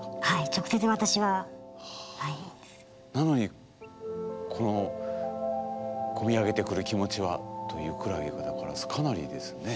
直接私はなのにこの込み上げてくる気持ちはというくらいだからかなりですね。